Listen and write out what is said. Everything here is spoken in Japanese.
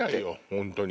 本当に。